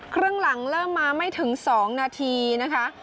ครึ่งหลังเริ่มมาไม่ถึง๒นาทีนะคะ